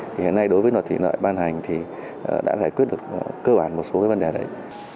thì hiện nay đối với luật thủy lợi ban hành thì đã giải quyết được cơ bản một số cái vấn đề đấy